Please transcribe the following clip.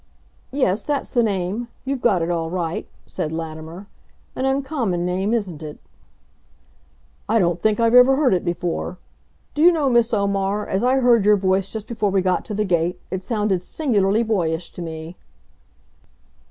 "Yes, that's the name. You've got it all right," said Latimer. "An uncommon name, isn't it?" "I don't think I ever heard it before. Do you know, Miss Omar, as I heard your voice just before we got to the gate, it sounded singularly boyish to me."